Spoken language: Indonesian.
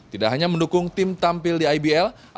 tidak hanya mendukung tim tampil di ibl